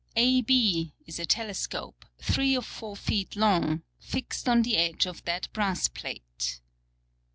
AB, is a Telescope, three of four Feet long, fixt on the Edge of that Brass Plate.